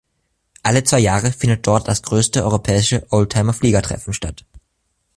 Alle zwei Jahre findet dort das größte europäische Oldtimer-Fliegertreffen statt.